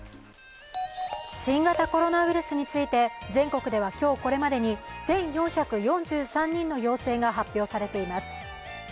新型コロナウイルスについて、全国では今日これまでに１４４３人の陽性が発表されています。